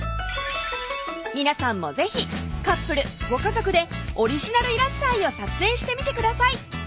皆さんも是非カップル・ご家族で「オリジナルいらっしゃい！」を撮影してみてください